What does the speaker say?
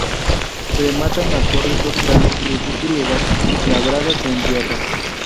Rematan las torres dos grandes cruces griegas, labradas en hierro.